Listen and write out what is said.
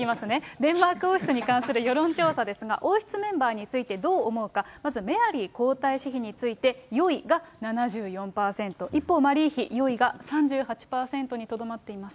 デンマーク王室に関する世論調査ですが、王室メンバーについてどう思うか、まずメアリー皇太子についてよいが７４％、一方、マリー妃、よいが３８％にとどまっています。